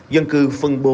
dân cư phân biệt